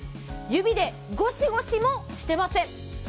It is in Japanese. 指でゴシゴシもしていません。